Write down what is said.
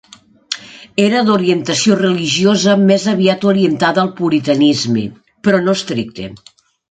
Era d'orientació religiosa més aviat orientada al puritanisme, però no estricte.